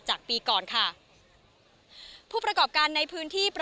จำนวนนักท่องเที่ยวที่เดินทางมาพักผ่อนเพิ่มขึ้นในปีนี้